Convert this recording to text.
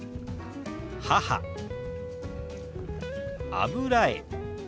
「油絵」。